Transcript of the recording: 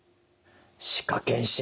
歯科健診